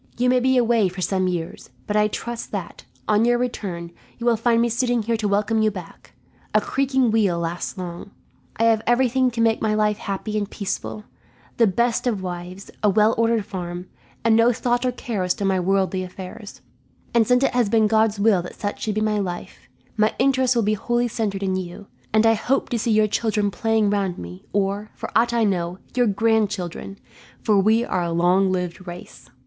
You may be away for some years, but I trust that, on your return, you will find me sitting here to welcome you back. A creaking wheel lasts long. I have everything to make my life happy and peaceful the best of wives, a well ordered farm, and no thought or care as to my worldly affairs and since it has been God's will that such should be my life, my interest will be wholly centred in you; and I hope to see your children playing round me or, for ought I know, your grandchildren, for we are a long lived race.